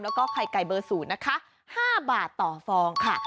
แล้วก็ไข่ไก่เบอร์๐นะคะ๕บาทต่อฟองค่ะ